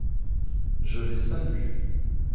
Je les salue.